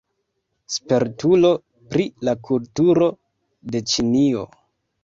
Spertulo pri la kulturo de Ĉinio.